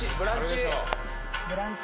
・「ブランチ」